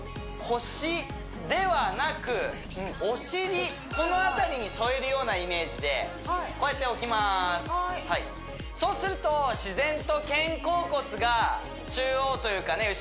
腰ではなくお尻この辺りに添えるようなイメージでこうやって置きますはーいそうすると自然と肩甲骨が中央というかね